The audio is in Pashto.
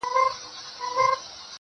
پوهېږې؟ په جنت کي به همداسي ليونی یم